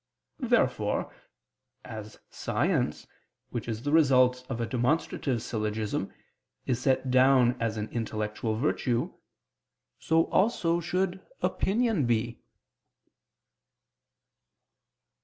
Therefore as science, which is the result of a demonstrative syllogism, is set down as an intellectual virtue, so also should opinion be.